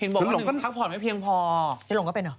บอกว่าหนึ่งก็พักผ่อนไม่เพียงพอได้ลงก็เป็นเหรอ